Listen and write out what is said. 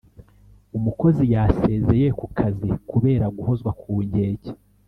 Umukozi yasezeye ku kazi kubera guhozwa ku nkeke